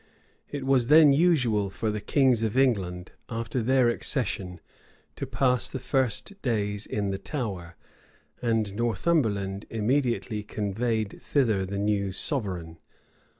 It was then usual for the kings of England, after their accession, to pass the first days in the Tower; and Northumberland immediately conveyed thither the new sovereign.